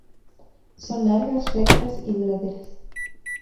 Son largas, rectas y duraderas.